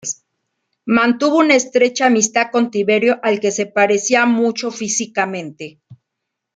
Mantuvo una estrecha amistad con Tiberio al que se parecía mucho físicamente.